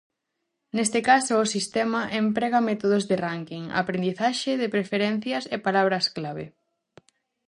Neste caso, o sistema emprega métodos de ránking, aprendizaxe de preferencias e palabras clave.